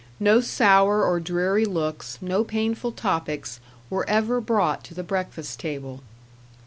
No sour or dreary looks, no painful topics, were ever brought to the breakfast table.